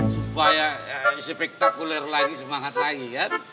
supaya inspektakuler lagi semangat lagi kan